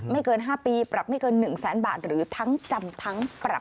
เกิน๕ปีปรับไม่เกิน๑แสนบาทหรือทั้งจำทั้งปรับ